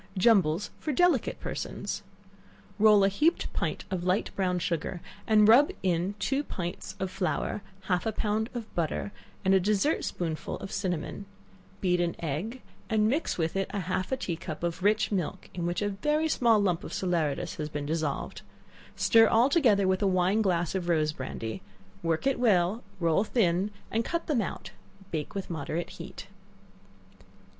Jumbles for Delicate Persons. Roll a heaped pint of light brown sugar, and rub it in two pints or flour, half a pound of butter, and a dessert spoonful of cinnamon; beat an egg, and mix it with half a tea cup of rich milk (in which a very small lump of salaeratus has been dissolved;) stir all together with a wine glass of rose brandy; work it well, roll thin and cut them out bake with moderate heat.